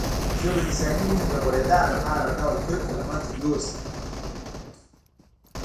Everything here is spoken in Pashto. زه به د انساني مينې د غوړېدا لپاره هر ډول کرکه له منځه يوسم.